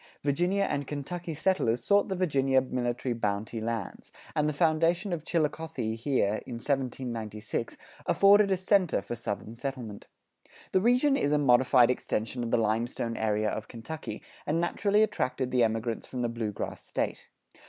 Virginia and Kentucky settlers sought the Virginia Military Bounty Lands, and the foundation of Chillicothe here, in 1796, afforded a center for Southern settlement. The region is a modified extension of the limestone area of Kentucky, and naturally attracted the emigrants from the Blue Grass State.